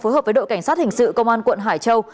phối hợp với đội cảnh sát hình sự công an quận hải châu